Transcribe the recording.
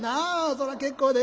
そら結構で。